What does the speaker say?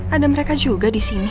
ada mereka juga disini